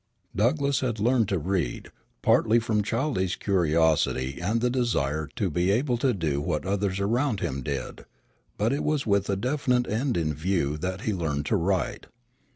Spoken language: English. Douglass had learned to read, partly from childish curiosity and the desire to be able to do what others around him did; but it was with a definite end in view that he learned to write.